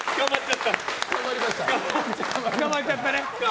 捕まっちゃった。